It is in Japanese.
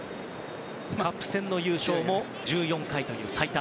カップ戦の優勝も１４回で最多。